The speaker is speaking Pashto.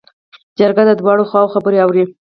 جرګه د دواړو خواوو خبرې اوري.